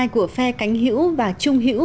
của phe cánh hữu và trung hữu